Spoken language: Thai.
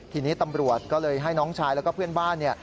ทีนี้ตำรวจก็เลยให้น้องชายแล้วก็เพื่อนบ้าน